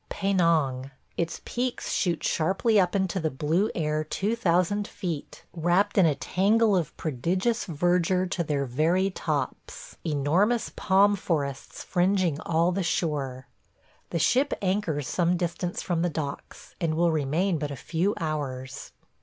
... Penang. – Its peaks shoot sharply up into the blue air 2000 feet, wrapped in a tangle of prodigious verdure to their very tops, enormous palm forests fringing all the shore. The ship anchors some distance from the docks, and will remain but a few hours.